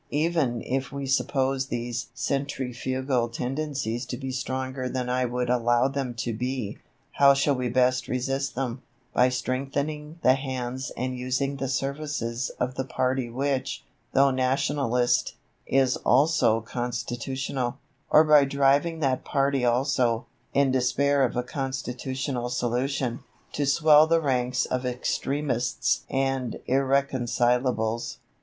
Even if we suppose these centrifugal tendencies to be stronger than I would allow them to be, how shall we best resist them by strengthening the hands and using the services of the party which, though nationalist, is also constitutional; or by driving that party also, in despair of a constitutional solution, to swell the ranks of Extremists and Irreconcilables?